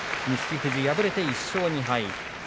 錦富士、敗れて１勝２敗。